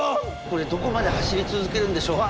これどこまで走り続けるんでしょう？